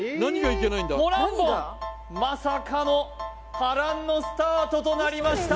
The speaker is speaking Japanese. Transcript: モランボンまさかの波乱のスタートとなりました